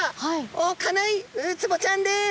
おっかないウツボちゃんです。